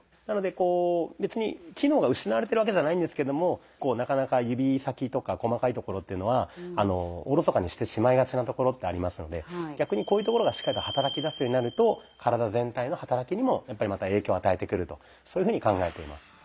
なので別に機能が失われてるわけじゃないんですけどもなかなか指先とか細かいところっていうのはおろそかにしてしまいがちなところってありますので逆にこういうところがしっかりと働きだすようになると体全体の働きにも影響を与えてくるとそういうふうに考えています。